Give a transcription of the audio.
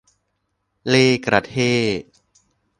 เล่ห์กระเท่ห์